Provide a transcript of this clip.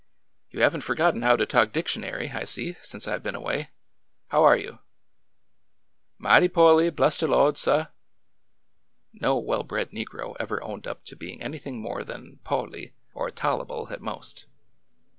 You have n't forgotten how to talk dictionary, I see, since I Ve been away. How are you ?" Mighty po'ly, bless de Lawd, suh." No well bred negro ever owned up to being anything more than '' po'ly," or tole'ble " at most.